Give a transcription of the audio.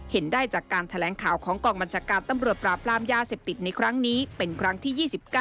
เห็นได้จากการแถลงข่าวของกองบัญชาการตำรวจปราบรามยาเสพติดในครั้งนี้เป็นครั้งที่๒๙